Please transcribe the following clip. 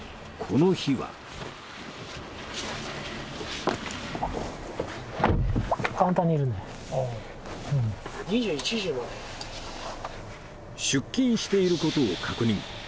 この日は出勤していることを確認